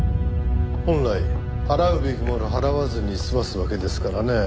本来払うべきものを払わずに済ますわけですからね。